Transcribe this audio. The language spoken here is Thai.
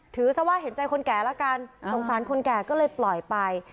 ซะว่าเห็นใจคนแก่แล้วกันสงสารคนแก่ก็เลยปล่อยไป